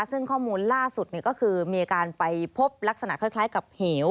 ซึ่งข้อมูลล่าสุดก็คือมีการไปพบลักษณะคล้ายกับเหว